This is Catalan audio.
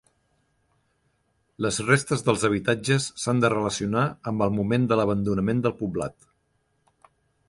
Les restes dels habitatges s'han de relacionar amb el moment de l'abandonament del poblat.